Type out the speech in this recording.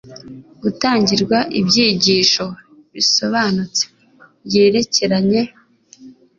gutangirwa ibyigisho bisobanutse byerekeranye